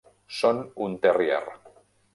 Són un terrier.